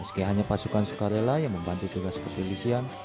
meski hanya pasukan sukarela yang membantu tugas kepolisian